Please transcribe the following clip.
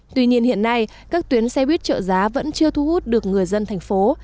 tuy nhiên hiện nay các tuyến xe buýt trợ giá vẫn chưa thu hút được người dân thành phố